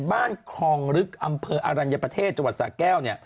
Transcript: คลองลึกอำเภออรัญญประเทศจังหวัดสาแก้ว